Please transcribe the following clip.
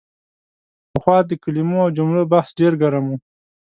پخوا د کلمو او جملو بحث ډېر ګرم و.